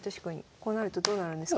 こうなるとどうなるんですか？